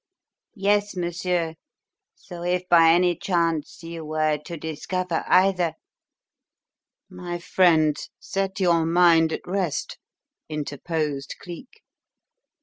"Yes, monsieur. So if by any chance you were to discover either " "My friend, set your mind at rest," interposed Cleek.